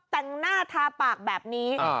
แต่งหน้าทาปากแบบนี้